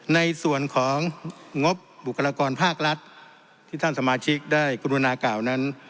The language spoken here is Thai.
ในส่วนของงบบุคลากรภาครัฐที่ท่านสมาชิกได้กรุณากล่าวนั้น